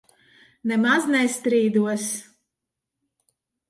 Nemaz nestrīdos.